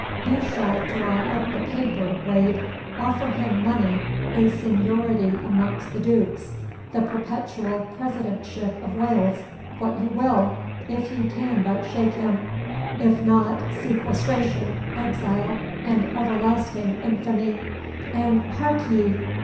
'You shall draw up the paper, Wade. Offer him money, a seniority amongst the dukes, the perpetual Presidentship of Wales what you will, if you can but shake him. If not, sequestration, exile, and everlasting infamy. And, hark ye!